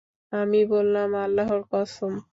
আমি বললাম, আল্লাহর কসম!